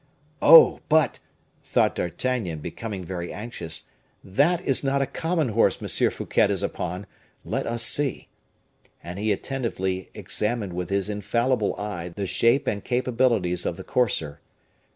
"Oh, but," thought D'Artagnan, becoming very anxious, "that is not a common horse M. Fouquet is upon let us see!" And he attentively examined with his infallible eye the shape and capabilities of the courser.